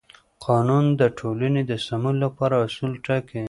قانون د ټولنې د سمون لپاره اصول ټاکي.